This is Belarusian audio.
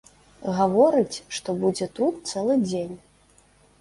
Гаворыць, што будзе тут цэлы дзень.